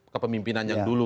kepemimpinan yang dulu